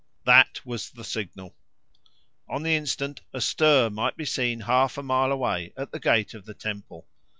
That was the signal. On the instant a stir might be seen half a mile away at the gate of the temple.